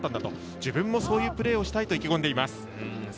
自分もそういうプレーをしたいと意気込んでいます。